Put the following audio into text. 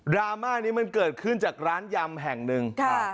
ราม่านี้มันเกิดขึ้นจากร้านยำแห่งหนึ่ง